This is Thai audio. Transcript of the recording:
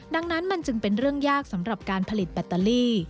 ดังนั้นมันจึงเป็นเรื่องยากสำหรับการผลิตแบตเตอรี่